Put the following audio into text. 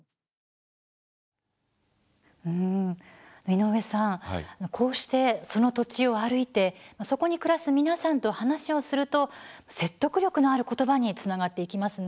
井上さん、こうしてその土地を歩いてそこに暮らす皆さんと話をすると説得力のあることばにつながっていきますね。